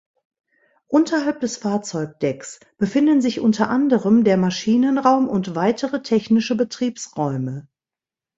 Unterhalb des Fahrzeugdecks befinden sich unter anderem der Maschinenraum und weitere technische Betriebsräume.